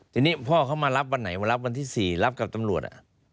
ทีนี้พ่อเขามารับวันไหนมารับวันที่๔รับกับตำรวจ